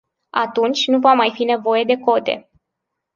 Atunci nu va mai fi nevoie de cote.